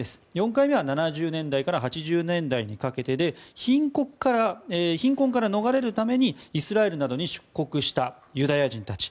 ４回目は７０年代から８０年代にかけてで貧困から逃れるためにイスラエルなどに出国したユダヤ人たち